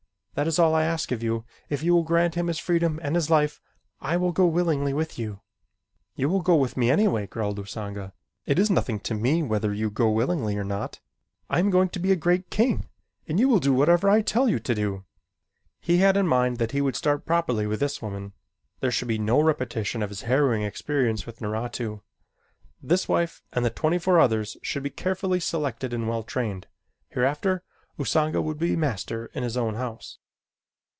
That is all I ask of you. If you will grant him his freedom and his life, I will go willingly with you. "You will go with me anyway," growled Usanga. "It is nothing to me whether you go willingly or not. I am going to be a great king and you will do whatever I tell you to do." He had in mind that he would start properly with this woman. There should be no repetition of his harrowing experience with Naratu. This wife and the twenty four others should be carefully selected and well trained. Hereafter Usanga would be master in his own house.